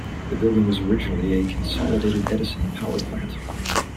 The building was originally a Consolidated Edison power plant.